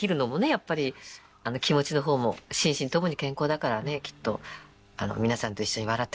やっぱり気持ちの方も心身ともに健康だからねきっと皆さんと一緒に笑ってできたんだろうと思います。